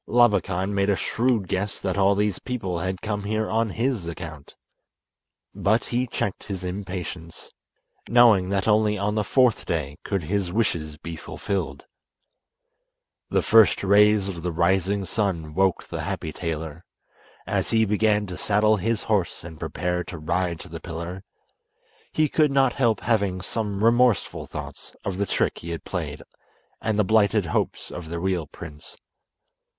Labakan made a shrewd guess that all these people had come here on his account; but he checked his impatience, knowing that only on the fourth day could his wishes be fulfilled. The first rays of the rising sun woke the happy tailor. As he began to saddle his horse and prepare to ride to the pillar, he could not help having some remorseful thoughts of the trick he had played and the blighted hopes of the real prince.